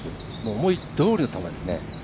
思いどおりの球ですね。